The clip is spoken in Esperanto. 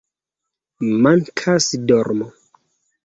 "Mankas dormo"